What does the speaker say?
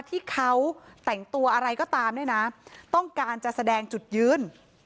ที่เขาแต่งตัวอะไรก็ตามเนี่ยนะต้องการจะแสดงจุดยืน